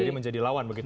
jadi menjadi lawan begitu